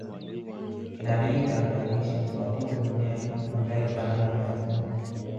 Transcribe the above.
Inaaminika aliishi mtu wa kwanza duniani ambae alifanana na binadamu